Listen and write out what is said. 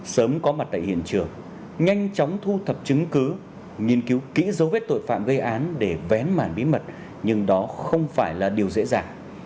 sớm có mặt tại hiện trường nhanh chóng thu thập chứng cứ nghiên cứu kỹ dấu vết tội phạm gây án để vén màn bí mật nhưng đó không phải là điều dễ dàng